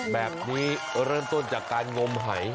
แบบนี้เริ่มต้นจากการงมหาย